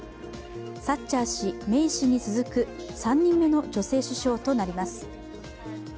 サッチャー氏、メイ氏に続く３人目の女性首相となります。